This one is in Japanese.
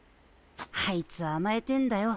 あいつあまえてんだよ。